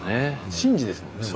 神事ですもんね。